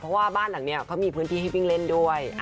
เพราะว่าบ้านหลังนี้เขามีพื้นที่ช่วยพลิกเลนส์ด้วย